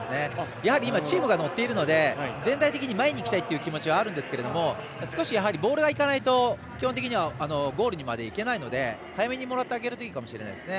やはりチームが乗っているので全体的に前にいきたいという気持ちがあるんですけどボールがいかないと基本的にはゴールにまでいけないので早めにもらってあげるといいかもしれないですね。